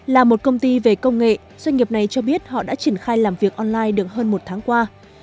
là một công ty về công nghệ doanh nghiệp này cho biết họ đã triển khai làm việc online được hơn một tháng qua